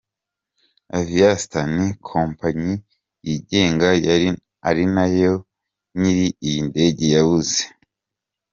Aviastar ni kompanyi yigenga ari nayo nyiri iyi ndege yabuze.